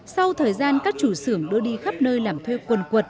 sau thời gian các chủ xưởng đưa đi khắp nơi làm thuê quần quật